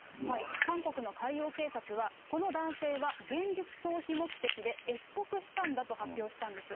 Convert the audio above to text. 韓国の海洋警察は、この男性は現実逃避目的で越北したんだと発表したんです。